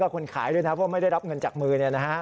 คนขายด้วยนะเพราะไม่ได้รับเงินจากมือ